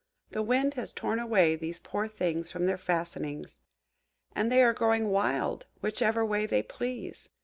The wind has torn away these poor things from their fastenings, and they are growing wild whichever way they please.